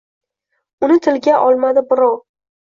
Uni tilga olmadi birov